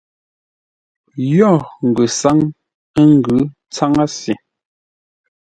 Yo ngəsáŋ ə́ ngʉ̌ tsáŋə́ se.